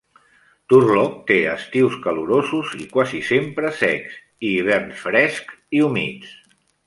Turlock té estius calorosos i quasi sempre secs i hiverns frescs i humits.